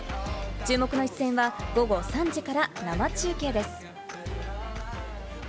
注目の一戦は午後３時から生中継です。